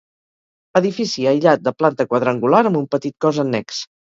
Edifici aïllat de planta quadrangular amb un petit cos annex.